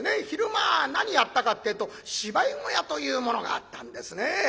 昼間は何やったかってえと芝居小屋というものがあったんですね。